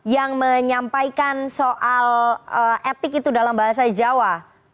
yang menyampaikan soal etik itu dalam bahasa jawa